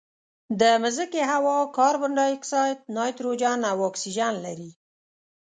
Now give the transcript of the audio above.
د مځکې هوا کاربن ډای اکسایډ، نایتروجن او اکسیجن لري.